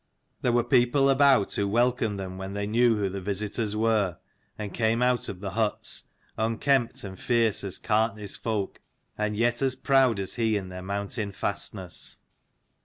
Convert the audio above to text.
There were people about, who welcomed them when they knew who the visitors were, and came out of the huts, unkempt and fierce as Gartnaidh's folk, and yet as proud as he in their mountain fastness.